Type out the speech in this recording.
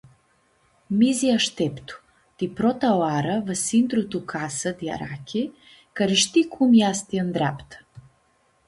Mizi ashteptu! Ti prota oarã va s-intru tu casã di Arachi, carishti cum easti ãndreaptã.